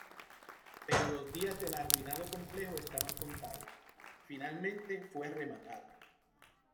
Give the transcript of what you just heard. Pero los días del arruinado complejo estaban contados, y finalmente fue rematado.